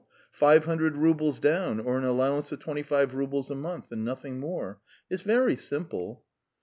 Five hundred roubles down or an allowance of twenty five roubles a month and nothing more. It's very simple."